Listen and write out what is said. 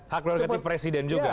hak prerogatif presiden juga